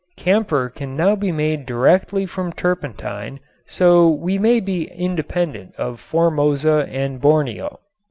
Camphor can now be made directly from turpentine so we may be independent of Formosa and Borneo.